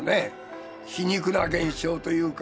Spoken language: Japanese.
皮肉な現象というか。